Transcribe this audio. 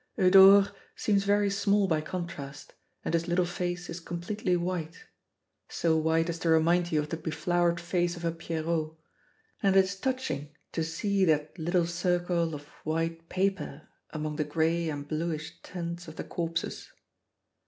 Eudore seems very small by contrast, and his little face is completely white, so white as to remind you of the be flowered face of a pierrot, and it is touching to see that little circle of white paper among the gray and bluish tints of the corpses.